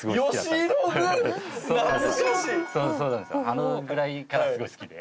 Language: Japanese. あのぐらいからすごい好きで。